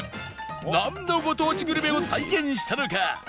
なんのご当地グルメを再現したのか？